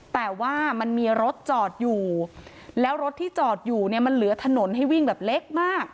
แต่ว่ามันมีรถจอดอยู่แล้วรถที่จอดอยู่เนี่ยมันเหลือถนนให้วิ่งแบบเล็กมาก